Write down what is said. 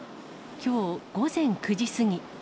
きょう午前９時過ぎ。